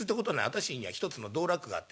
私には一つの道楽があって。